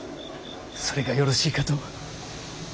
それがよろしいかと。